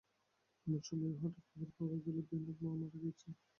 এমন সময়ে হঠাৎ খবর পাওয়া গেল বেণুর মা মারা গিয়াছেন।